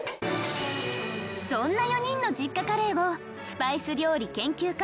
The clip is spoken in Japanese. そんな４人の実家カレーをスパイス料理研究家